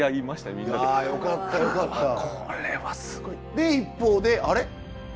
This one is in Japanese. で一方であれ？